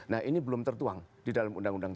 nah ini belum tertuang di dalam undang undang